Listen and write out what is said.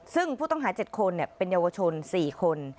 ซึ่งผู้ต้องหา๗คนเป็นเยาวชน๔คน